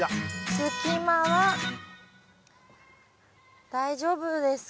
隙間は大丈夫ですかね。